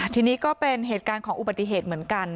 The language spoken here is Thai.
ทีนี้ก็เป็นเหตุการณ์ของอุบัติเหตุเหมือนกัน